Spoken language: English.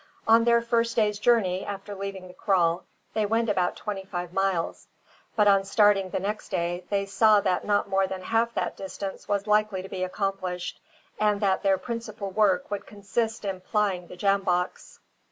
On their first day's journey after leaving the kraal, they went about twenty five miles; but on starting the next day they saw that not more than half that distance was likely to be accomplished, and that their principal work would consist in plying the jamboks.